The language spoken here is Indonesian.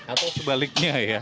atau sebaliknya ya